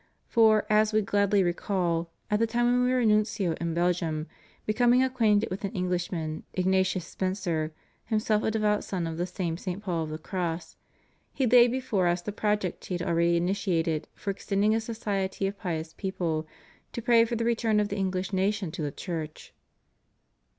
For, as We gladly recall, at the time when We were Nim cio in Belgium, becoming acquainted with an English man, Ignatius Spencer, himself a devout son of the same St. Paul of the Cross, he laid before Us the project he had already initiated for extending a society of pious people, to pray for the return of the English nation to the Church.